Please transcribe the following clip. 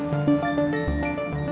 semarang semarang semarang